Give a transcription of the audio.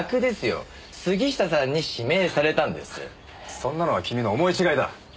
そんなのは君の思い違いだ。